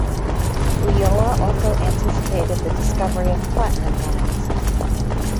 Ulloa also anticipated the discovery of platinum mines.